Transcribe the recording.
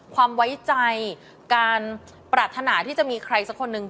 ความไว้ใจการปรารถนาที่จะมีใครสักคนหนึ่ง